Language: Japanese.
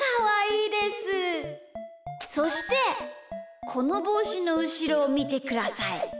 そしてこのぼうしのうしろをみてください。